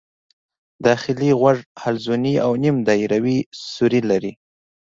داخلي غوږ حلزوني او نیم دایروي سوري لري.